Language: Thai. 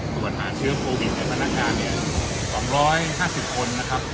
ตรวจหาเชื้อโควิดในพนักงานเนี่ยสองร้อยห้าสิบคนนะครับ